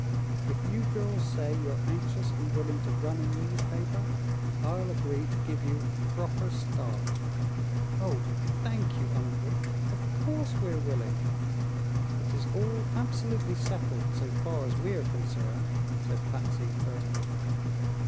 If you girls say you're anxious and willing to run a newspaper, I'll agree to give you a proper start." "Oh, thank you, Uncle!" "Of course we're willing!" "It is all absolutely settled, so far as we are concerned," said Patsy, firmly.